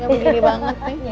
ngendirnya gini banget nih